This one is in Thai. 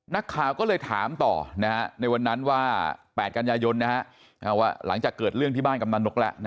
นักข่าวก็เลยถามต่อในวันนั้นว่า๘กันยายนว่าหลังจากเกิดเรื่องที่บ้านกำนันนกแล้ว